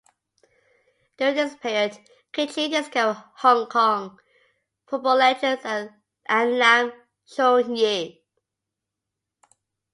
During this period, Kitchee discovered Hong Kong football legends and Lam Sheung Yee.